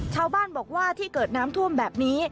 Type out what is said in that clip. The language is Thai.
ชาวบ้านบอกว่าที่เกิดน้ำท่วมแบบนี้